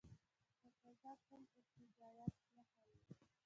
تقاضا کوم ارتجاعیت نه ښیي.